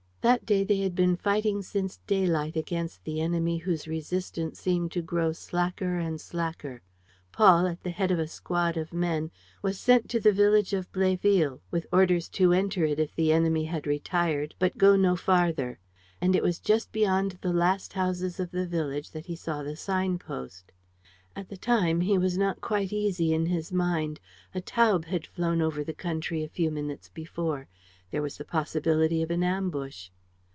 That day, they had been fighting since daylight against an enemy whose resistance seemed to grow slacker and slacker. Paul, at the head of a squad of men, was sent to the village of Bléville with orders to enter it if the enemy had retired, but go no farther. And it was just beyond the last houses of the village that he saw the sign post. At the time, he was not quite easy in his mind. A Taube had flown over the country a few minutes before. There was the possibility of an ambush.